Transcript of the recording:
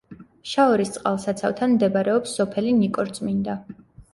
შაორის წყალსაცავთან მდებარეობს სოფელი ნიკორწმინდა.